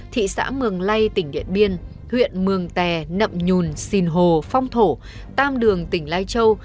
thị xã mường lây tỉnh điện biên huyện mường tè nậm nhùn xìn hồ phong thổ tam đường tỉnh lai châu